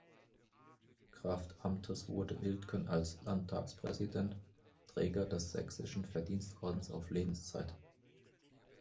Kraft Amtes wurde Iltgen als Landtagspräsident Träger des Sächsischen Verdienstordens auf Lebenszeit.